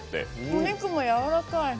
お肉もやわらかい。